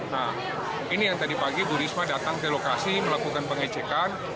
nah ini yang tadi pagi bu risma datang ke lokasi melakukan pengecekan